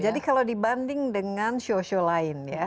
jadi kalau dibanding dengan show show lain ya